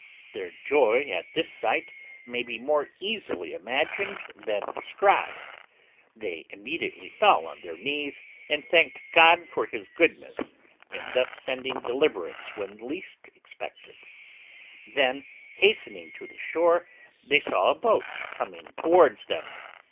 Their joy at this sight may be more easily imagined than described; they immediately fell on their knees, and thanked God for His goodness, in thus sending deliverance when least expected; then, hastening to the shore, they saw a boat coming towards them.